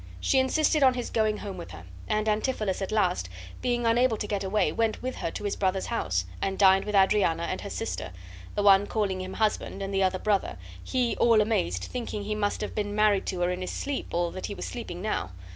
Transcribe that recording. She insisted on his going home with her, and Antipholus at last, being unable to get away, went with her to his brother's house, and dined with Adriana and her sister, the one calling him husband and the other brother, he, all amazed, thinking he must have been married to her in his sleep, or that he was sleeping now.